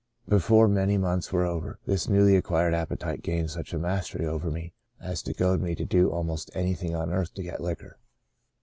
Before many months were over, this newly acquired appetite gained such a mastery over me as to goad me to do almost any thing on earth to get liquor."